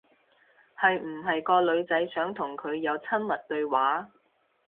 係唔係個女仔想同佢有親密對話？